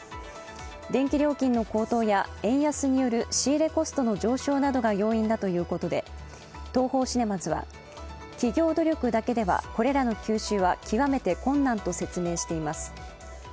電気料金の高騰や、円安による仕入れコストの上昇などが要因だということでＴＯＨＯシネマズは、企業努力だけではこれらの吸収は極めて困難と説明しています。